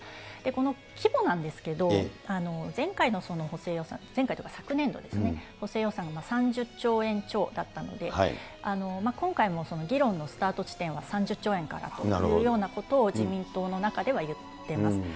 この規模なんですけど、前回の補正予算、前回というか、昨年度ですね、補正予算が３０兆円超だったので、今回も議論のスタート地点は３０兆円からというようなことを自民党の中では言っています。